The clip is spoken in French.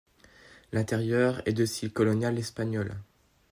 L'intérieur est de style colonial espagnol.